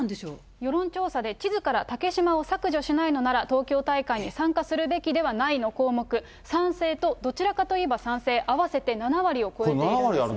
世論調査で、地図から竹島を削除しないならば東京大会に参加するべきではないの項目、賛成とどちらかといえば賛成、合わせて７割を超えていますね。